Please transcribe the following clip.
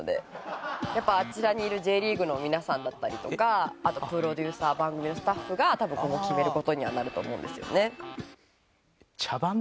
やっぱあちらにいるＪリーグの皆さんだったりとかあとプロデューサー番組のスタッフが多分今後決める事にはなると思うんですよね。